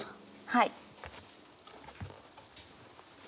はい。